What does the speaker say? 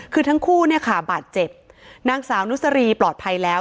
คือทั้งคู่เนี่ยค่ะบาดเจ็บนางสาวนุสรีปลอดภัยแล้ว